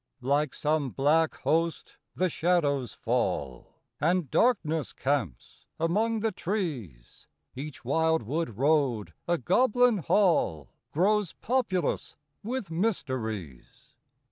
III. Like some black host the shadows fall, And darkness camps among the trees; Each wildwood road, a Goblin Hall, Grows populous with mysteries.